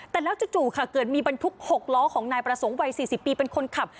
แต่แล้วจู่ค่ะเกิดมีบรรทุก๖ล้อของนายประสงค์วัย๔๐ปีเป็นคนขับ